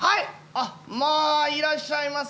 あっまあいらっしゃいませ。